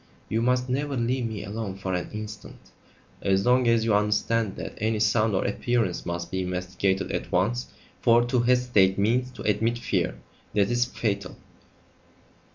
"You must never leave me alone for an instant." "As long as you understand that any sound or appearance must be investigated at once, for to hesitate means to admit fear. That is fatal."